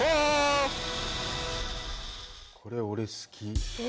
これ俺好き。